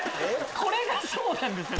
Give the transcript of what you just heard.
これがそうなんですよ。